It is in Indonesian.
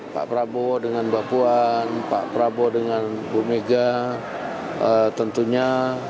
pak prabowo dengan bapuan pak prabowo dengan bumega tentunya